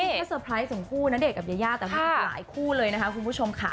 จริงชัดสเปรย์เหน้าเดชน์กับยายย่าก็มีหลายคู่เลยนะคะคุณผู้ชมค่ะ